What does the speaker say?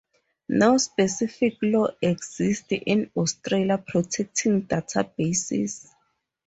No specific law exists in Australia protecting databases.